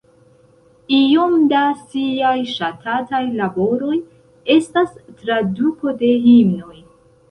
Iom da siaj ŝatataj laboroj estas traduko de himnoj.